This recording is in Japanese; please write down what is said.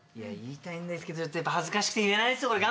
言いたいんですけど恥ずかしくて言えないんですよ。